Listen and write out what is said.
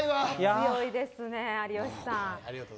強いですね、有吉さん。